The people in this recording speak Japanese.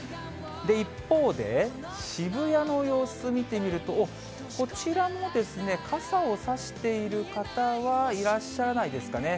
一方で、渋谷の様子見てみると、おっ、こちらもですね、傘を差している方はいらっしゃらないですかね。